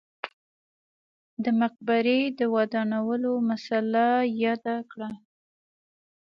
د مقبرې د ودانولو مسئله یاده کړه.